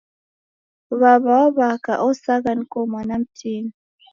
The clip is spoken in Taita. W'aw'a wa w'aka osagha niko mwana mtini